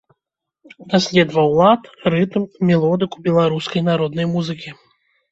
Даследаваў лад, рытм, мелодыку беларускай народнай музыкі.